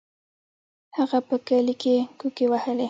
هغه په کلي کې کوکې وهلې.